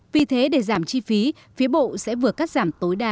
vì thế để giảm chi phí phía bộ sẽ vừa cắt giảm tối đa